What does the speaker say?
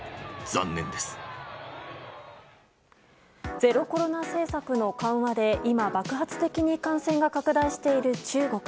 ゼロコロナ政策の緩和で今、爆発的に感染が拡大している中国。